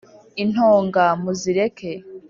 Intonga muzireke.